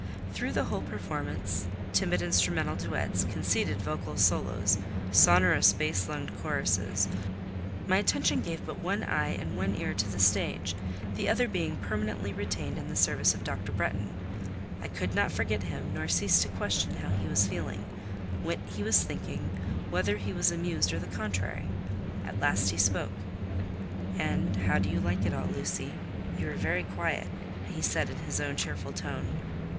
Through the whole performance—timid instrumental duets, conceited vocal solos, sonorous, brass lunged choruses—my attention gave but one eye and one ear to the stage, the other being permanently retained in the service of Dr. Bretton: I could not forget him, nor cease to question how he was feeling, what he was thinking, whether he was amused or the contrary. At last he spoke. "And how do you like it all, Lucy? You are very quiet," he said, in his own cheerful tone.